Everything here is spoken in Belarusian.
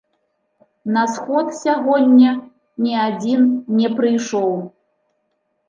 На сход сягоння ні адзін не прыйшоў.